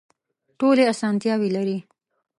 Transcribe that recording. ټولې اسانتیاوې لري.